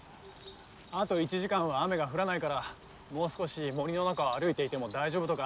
あと１時間は雨が降らないからもう少し森の中を歩いていても大丈夫とか。